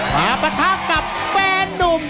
มาประทับกับแฟนหนุ่ม